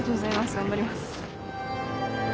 頑張ります。